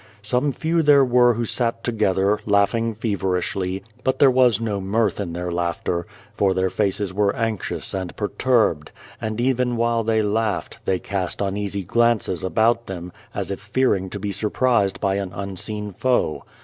Some few there were who sat together, laugh ing feverishly, but there was no mirth in their laughter, for their faces were anxious and per turbed, and even while they laughed, they cast uneasy glances about them, as if fearing to be surprised by an unseen foe.